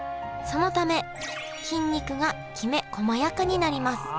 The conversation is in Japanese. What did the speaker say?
そのため筋肉がきめこまやかになります。